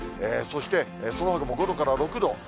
そして、そのほかも５度から６度。